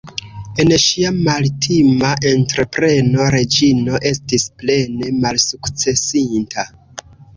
En ŝia maltima entrepreno Reĝino estis plene malsukcesinta.